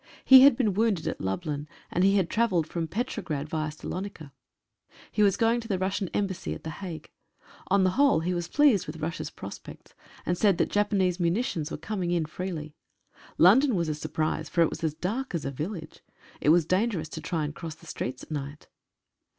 He had been wounded at Lublin, and he had travelled from Petrograd, via Salonica. He was going to the Russian Embassy at the Hague. On the whole he was pleased with Russia's prospects, and said that Japanese munitions were coming in freely. London was a surprise, for it was as dark as a village. It was dan gerous to try and cross the streets at night.